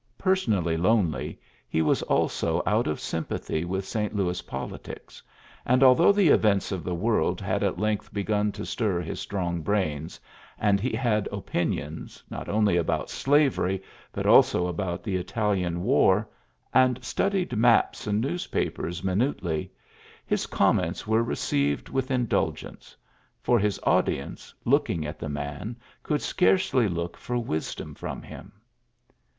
Personally lonely, he was also out of sympathy with St. Louis politics; and although the events of the world had at length begun to stir his strong brains^ and he had opinions, not only about slavery, but also about the Italian war, and studied maps and newspapers mi nutely, his comments were received with indulgence ; for his audience, looking at the man, could scarcely look for wisdom from him.